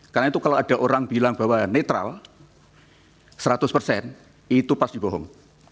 karena itu kalau ada orang bilang bahwa netral seratus itu pasti bohong